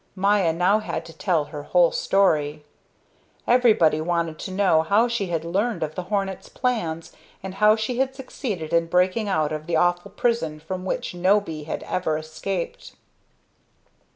Maya now had to tell her whole story. Everybody wanted to know how she had learned of the hornets' plans and how she had succeeded in breaking out of the awful prison from which no bee had ever before escaped.